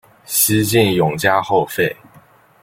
西晋永嘉后废。